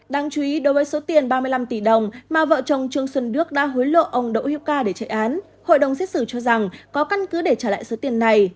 đáng chú ý đối với số tiền ba mươi năm tỷ đồng mà vợ chồng trương xuân đức đã hối lộ ông đỗ hữu ca để chạy án hội đồng xét xử cho rằng có căn cứ để trả lại số tiền này